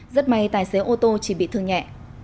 rất may tài xế ô tô chỉ bị thương nhẹ